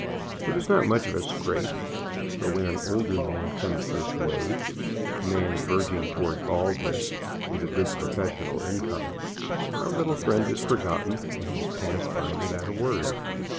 It is not much of a scrape, for when an older man comes this way, a man verging toward baldness, with a good professional income, our little friend is forgotten and he is passed by without a word.